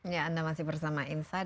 ya anda masih bersama insight